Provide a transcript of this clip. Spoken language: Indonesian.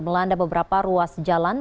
melanda beberapa ruas jalanan